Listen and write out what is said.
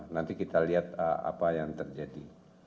nanti kita lihat apa yang terjadi